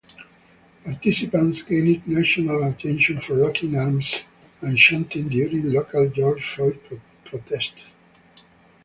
Participants gained national attention for locking arms and chanting during local George Floyd protests.